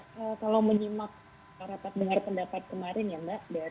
kalau menyimak rapat dengar pendapat kemarin ya mbak